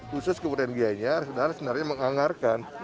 khusus kemudian gianyar sebenarnya menganggarkan